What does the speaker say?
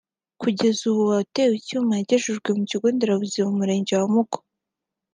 Kugeza ubu uwatewe icyuma yagejejwe ku kigo nderabuzima mu Murenge wa Muko